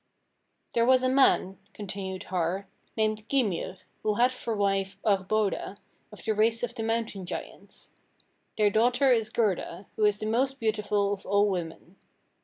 38. "There was a man," continued Har, "named Gymir, who had for wife Aurboda, of the race of the Mountain giants. Their daughter is Gerda, who is the most beautiful of all women.